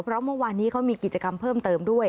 เพราะเมื่อวานนี้เขามีกิจกรรมเพิ่มเติมด้วย